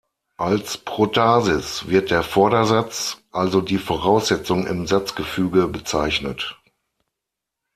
Als Protasis wird der Vordersatz, also die Voraussetzung im Satzgefüge, bezeichnet.